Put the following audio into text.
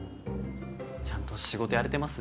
ちゃんと仕事やれてます？